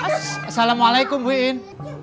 assalamualaikum bu iin